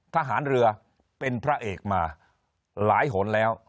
ทหารเรือเป็นพระเอกมาหลายหนแล้ว